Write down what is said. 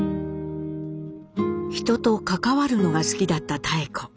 人と関わるのが好きだった妙子。